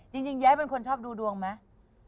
แย้เป็นคนชอบดูดวงไหม